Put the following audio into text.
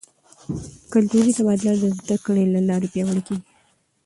کلتوري تبادله د زده کړې له لارې پیاوړې کیږي.